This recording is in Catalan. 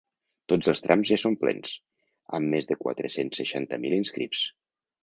Tots els trams ja són plens, amb més de quatre-cents seixanta mil inscrits.